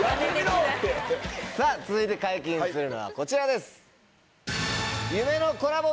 さぁ続いて解禁するのはこちらです。